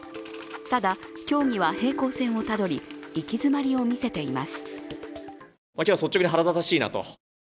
ただ、協議は平行線をたどり行き詰まりを見せています。